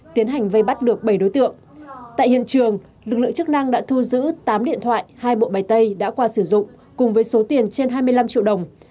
tiến hành vây bắt được bảy đối tượng tại hiện trường lực lượng chức năng đã thu giữ tám điện thoại hai bộ bài tay đã qua sử dụng cùng với số tiền trên hai mươi năm triệu đồng